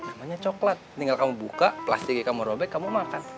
namanya coklat tinggal kamu buka plastik kamu robek kamu makan